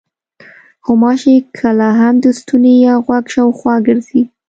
غوماشې کله هم د ستوني یا غوږ شاوخوا ګرځي.